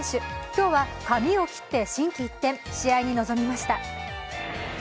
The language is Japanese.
今日は髪を切って心機一転、試合に臨みました。